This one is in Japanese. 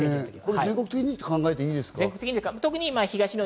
全国的と考えていいですか？